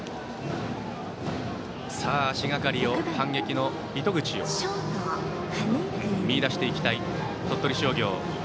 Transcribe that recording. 足がかりを、反撃の糸口を見いだしていきたい鳥取商業。